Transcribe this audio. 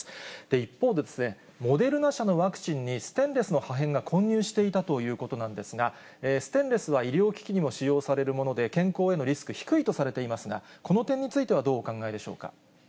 一方で、モデルナ社のワクチンにステンレスの破片が混入していたということなんですが、ステンレスは医療機器にも使用されるもので、健康へのリスク、低いとされていますが、この点についてはどうお考えでしょうか。